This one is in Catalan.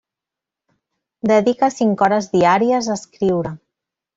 Dedica cinc hores diàries a escriure.